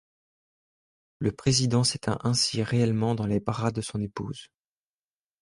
Le président s'éteint ainsi réellement dans les bras de son épouse.